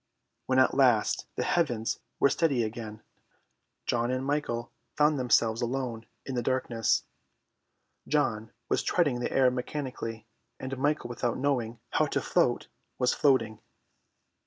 When at last the heavens were steady again, John and Michael found themselves alone in the darkness. John was treading the air mechanically, and Michael without knowing how to float was floating.